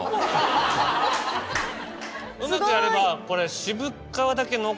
うまくやればこれ。